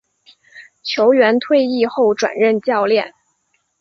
球员退役后转任教练。